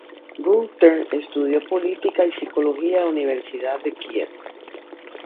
Günther estudió política y psicología en la Universidad de Kiel.